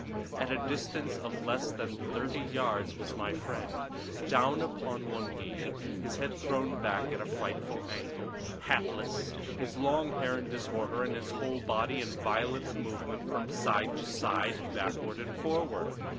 At a distance of less than thirty yards was my friend, down upon one knee, his head thrown back at a frightful angle, hatless, his long hair in disorder and his whole body in violent movement from side to side, backward and forward.